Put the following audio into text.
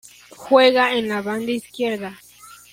Juega en la banda izquierda.